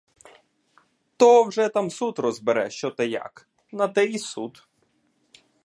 То вже там суд розбере, що та як, — на те й суд.